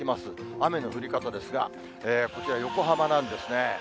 雨の降り方ですが、こちら、横浜なんですね。